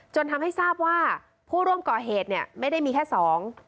จนทำให้ทราบว่าผู้ร่วมก่อเหตุเนี่ยไม่ได้มีแค่สอง